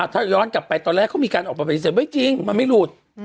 ถ้าย้อนกลับไปตอนแรกเขามีการออกมาปฏิเสธไม่จริงมันไม่หลุด